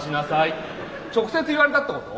直接言われたってこと？